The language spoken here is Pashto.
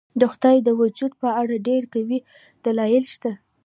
د خدای د وجود په اړه ډېر قوي دلایل شته.